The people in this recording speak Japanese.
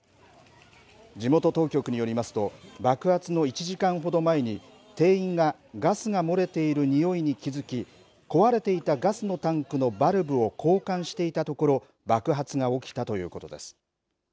地元当局によりますと爆発の１時間ほど前に店員がガスが漏れているにおいに気付き壊れていたガスのタンクのバルブを交換していたところ爆発が起きたということです。